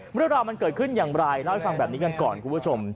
เรื่องราวมันเกิดขึ้นอย่างไรเล่าให้ฟังแบบนี้กันก่อนคุณผู้ชม